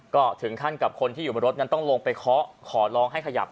ก็ถึงขั้นกับคนที่อยู่บนรถนั้นต้องลงไปเคาะขอร้องให้ขยับ